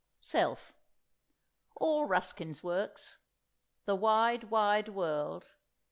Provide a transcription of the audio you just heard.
SELF. All Ruskin's Works. "The Wide, Wide World."